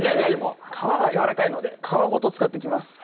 皮がやわらかいので皮ごと使っていきます